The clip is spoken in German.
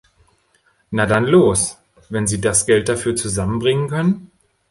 Na dann los, wenn Sie das Geld dafür zusammenbringen können!